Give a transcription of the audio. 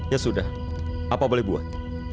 ya sudah apa boleh buat